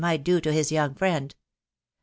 'might^o to his young frientt.